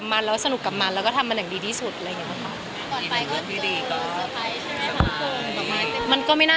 หรือว่าอื้มมาด้วยเรื่องนี้แน่เลยงานก็ไกลค่ะ